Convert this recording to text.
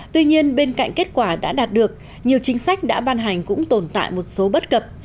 tuy nhiên bên cạnh kết quả đã đạt được nhiều chính sách đã ban hành cũng tồn tại một số bất cập